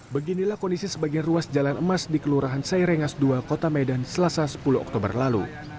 beginilah kondisi sebagian ruas jalan emas di kelurahan sairengas dua kota medan selasa sepuluh oktober lalu